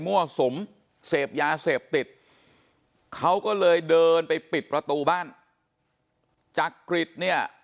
สุมเสพยาเสพติดเขาก็เลยเดินไปปิดประตูบ้านจักริตเนี่ย